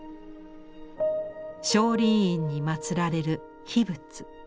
聖霊院に祭られる秘仏。